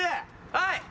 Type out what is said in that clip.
はい！